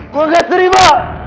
gua ga terima